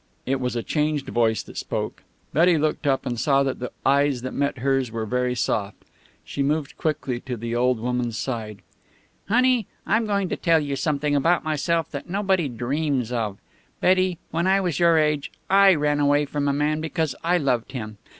It was a changed voice that spoke. Betty looked up, and saw that the eyes that met hers were very soft. She moved quickly to the old woman's side. "Honey, I'm going to tell you something about myself that nobody dreams of. Betty, when I was your age, I ran away from a man because I loved him.